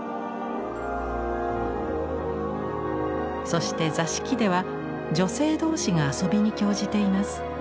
そして座敷では女性同士が遊びに興じています。